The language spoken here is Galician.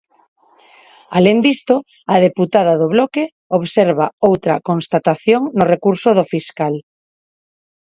Alén disto, a deputada do Bloque observa outra constatación no recurso do fiscal.